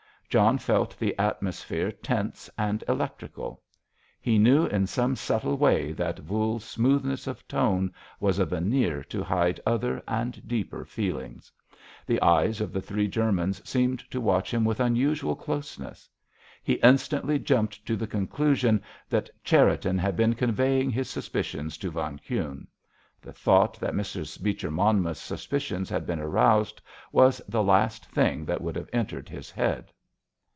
John felt the atmosphere tense and electrical; he knew in some subtle way that Voules' smoothness of tone was a veneer to hide other and deeper feelings. The eyes of the three Germans seemed to watch him with unusual closeness. He instantly jumped to the conclusion that Cherriton had been conveying his suspicions to von Kuhne. The thought that Mrs. Beecher Monmouth's suspicions had been aroused was the last thing that would have entered his head.